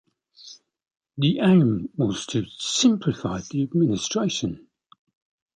The aim was to simplify the administration.